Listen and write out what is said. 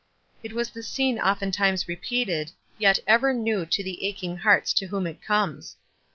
It was the scene oftentimes repeated, yet ever new to the aching hearts to whom it comes.